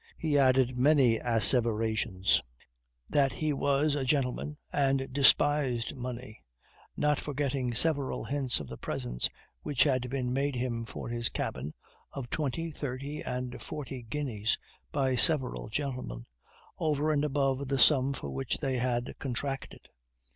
He added many asseverations that he was a gentleman, and despised money; not forgetting several hints of the presents which had been made him for his cabin, of twenty, thirty, and forty guineas, by several gentlemen, over and above the sum for which they had contracted.